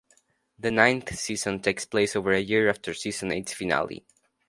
The ninth season takes place over a year after season eight's finale.